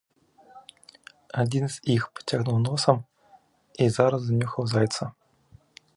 Адзін з іх пацягнуў носам і зараз знюхаў зайца.